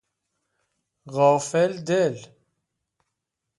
غافل دل